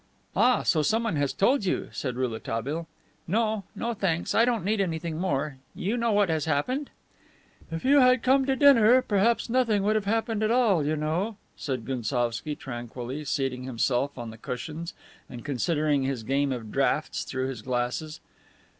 "Ah, so someone has told you?" said Rouletabille. "No, no, thanks; I don't need anything more. You know what has happened?" "If you had come to dinner, perhaps nothing would have happened at all, you know," said Gounsovski tranquilly, seating himself again on the cushions and considering his game of draughts through his glasses.